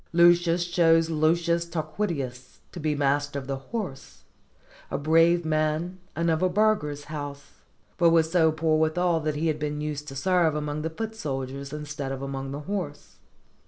Lucius chose Lucius Tarquitius to be master of the horse, a brave man and of a burgher's house; but so poor withal that he had been used to serve among the foot soldiers instead of among the horse.